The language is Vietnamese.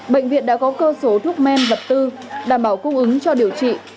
bệnh viện đã có cơ số thuốc men dập tư đảm bảo cung ứng cho điều trị